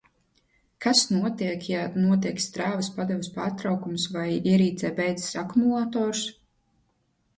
Kas notiek, ja notiek strāvas padeves pārtraukums vai ierīcē beidzas akumulators?